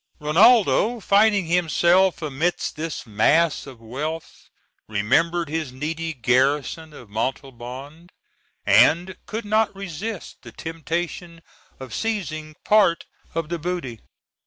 Rinaldo, finding himself amidst this mass of wealth, remembered his needy garrison of Montalban, and could not resist the temptation of seizing part of the booty.